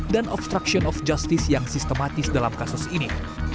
dan obstruction of justice yang sistematis dalam kasus ini